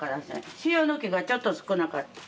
塩抜きがちょっと少なかった。